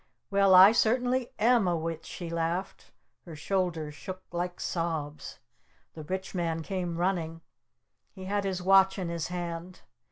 "Well I certainly am a Witch!" she laughed. Her shoulders shook like sobs. The Rich Man came running! He had his watch in his hand!